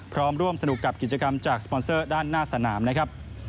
ร่วมสนุกกับกิจกรรมจากสปอนเซอร์ด้านหน้าสนามนะครับ